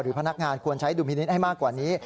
หรือพนักงานควรใช้ดูมินิตให้มากกว่านี้